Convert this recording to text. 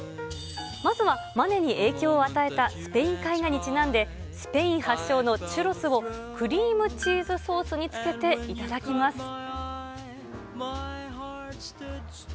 まずはマネに影響を与えたスペイン絵画にちなんで、スペイン発祥のチュロスをクリームチーズソースにつけて頂きます。